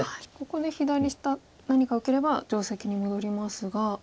ここで左下何か受ければ定石に戻りますが。